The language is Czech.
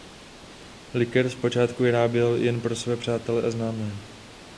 Likér zpočátku vyráběl jen pro své přátele a známé.